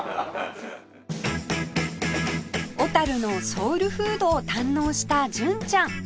小のソウルフードを堪能した純ちゃん